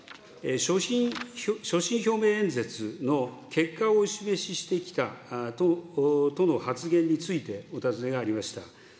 所信表明演説の結果をお示ししてきたとの発言について、お尋ねがありました。